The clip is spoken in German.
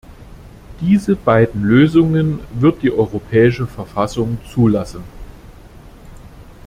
Diese beiden Lösungen wird die Europäische Verfassung zulassen.